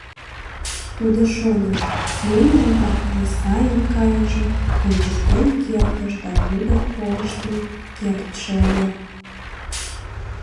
Тудо шоныш: нунын умбакыже сайын кайыже, ончыктен кертышт да тудо колыштын кертше ыле.